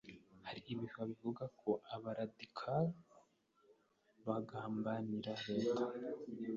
Hari ibihuha bivuga ko aba radicals bagambanira leta